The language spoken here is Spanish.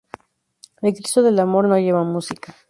El Cristo del Amor no lleva música.